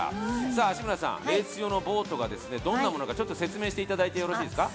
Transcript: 芦村さん、レース上のボートがどんなものか、説明していただけますか？